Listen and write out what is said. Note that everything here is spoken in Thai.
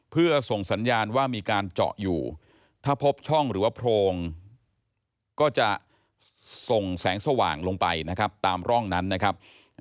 เพื่อส่งสัญญาณว่ามีการเจาะอยู่ถ้าพบช่องหรือว่าโพรงก็จะส่งแสงสว่างลงไปนะครับตามร่องนั้นนะครับ